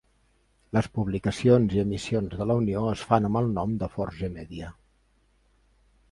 Les publicacions i emissions de la unió es fan amb el nom de Forge Media.